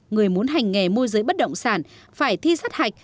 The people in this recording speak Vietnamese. người muốn hành nghề môi giới bất động sản phải thi sát hạch